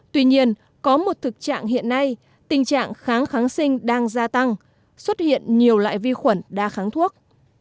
tuy nhiên có một thực trạng hiện nay tình trạng kháng kháng sinh đang gia tăng xuất hiện nhiều loại vi khuẩn đa kháng thuốc